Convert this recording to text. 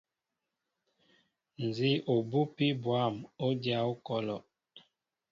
Nzi obupi bwȃm, o dya okɔlɔ.